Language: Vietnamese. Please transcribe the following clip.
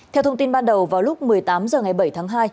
theo thông tin ban đầu vào lúc một mươi tám h ngày bảy tháng hai